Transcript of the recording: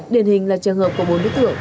điển hình là trường hợp của bốn đối tượng